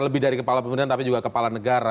lebih dari kepala pemerintahan tapi juga kepala negara